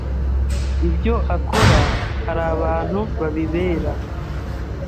ibyo akora hari abantu babibera’.